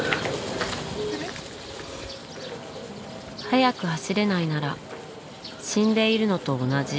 「速く走れないなら死んでいるのと同じ」。